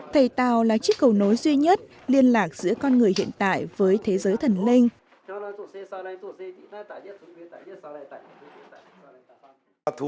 thầy tàu là chiếc cầu nối duy nhất liên lạc giữa con người hiện tại với thế giới thần linh